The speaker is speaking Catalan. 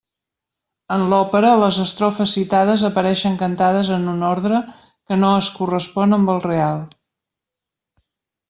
En l'òpera, les estrofes citades apareixen cantades en un ordre que no es correspon amb el real.